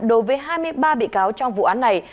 đối với hai mươi ba bị cáo trong vụ án này